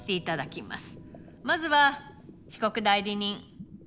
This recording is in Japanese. まずは被告代理人。